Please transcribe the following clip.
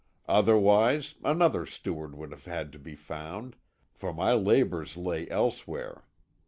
Otherwise, another steward would have had to be found, for my labours lay elsewhere.